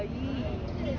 ini janggut hitam